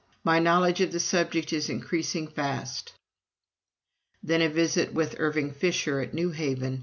My knowledge of the subject is increasing fast." Then a visit with Irving Fisher at New Haven.